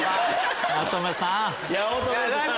八乙女さん！